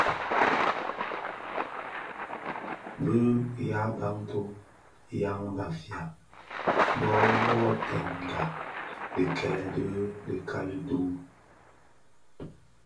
Bi yaa Bantu (yan Bafia) bo dhubtènga dhikèè bi dhikali dü,